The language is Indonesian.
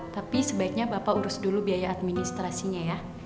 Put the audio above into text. tapi sebaiknya bapak urus dulu biaya administrasinya ya